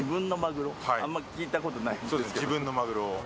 自分のマグロを。